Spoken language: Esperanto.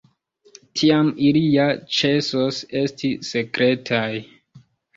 Tiam ili ja ĉesos esti sekretaj.